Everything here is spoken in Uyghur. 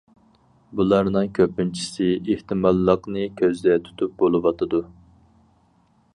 بۇلارنىڭ كۆپىنچىسى ئېھتىماللىقنى كۆزدە تۇتۇپ بولۇۋاتىدۇ.